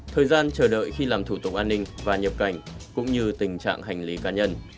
thời gian chờ đợi khi làm thủ tục an ninh và nhập cảnh cũng như tình trạng hành lý cá nhân